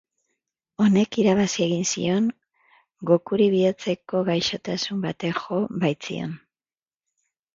Honek irabazi egin zion, Gokuri bihotzeko gaixotasun batek jo baitzion.